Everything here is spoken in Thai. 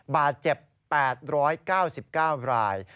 บาดเจ็บ๘๙๙ราย